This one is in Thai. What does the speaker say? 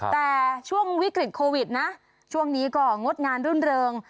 แต่ช่วงวิกฤตโควิดนะช่วงนี้ก็งดงานรื่นเริง